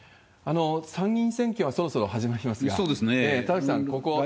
参議院選挙はそろそろ始まりますが、田崎さん、ここは？